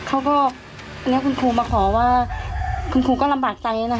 อันนี้คุณครูมาขอว่าคุณครูก็ลำบากใจ